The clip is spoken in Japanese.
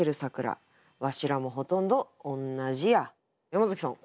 山崎さん